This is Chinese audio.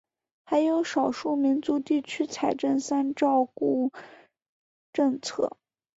还有少数民族地区财政三照顾政策。